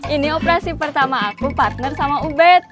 ini operasi pertama aku partner sama ubed